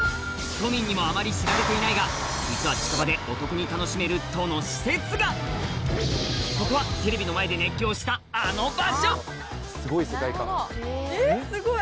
都民にもあまり知られていないが実は近場でお得に楽しめる都の施設がそこはテレビの前で熱狂したあの場所すごい！